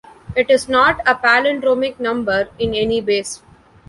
It is not a palindromic number in any base.